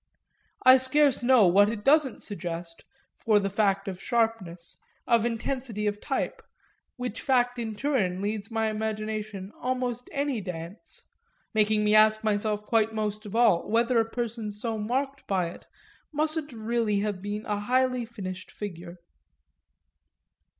I scarce know what it doesn't suggest for the fact of sharpness, of intensity of type; which fact in turn leads my imagination almost any dance, making me ask myself quite most of all whether a person so marked by it mustn't really have been a highly finished figure.